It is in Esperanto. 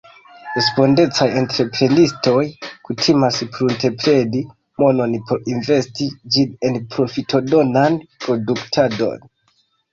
Respondecaj entreprenistoj kutimas pruntepreni monon por investi ĝin en profitodonan produktadon.